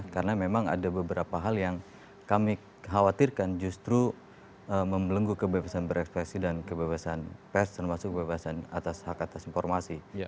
karena memang ada beberapa hal yang kami khawatirkan justru membelenggu kebebasan berekspresi dan kebebasan pers termasuk kebebasan atas hak atas informasi